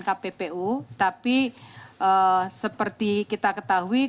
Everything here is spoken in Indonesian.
kppu tapi seperti kita ketahui